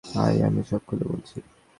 আয়, আমি সব খুলে বলছি।